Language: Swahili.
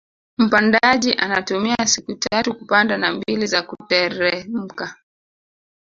Mpandaji anatumia siku tatu kupanda na mbili za kuteremka